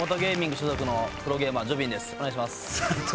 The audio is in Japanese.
お願いします。